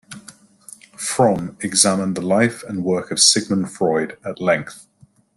Fromm examined the life and work of Sigmund Freud at length.